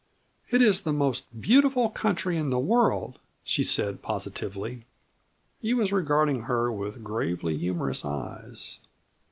"It is the most beautiful country in the world!" she said positively. He was regarding her with gravely humorous eyes.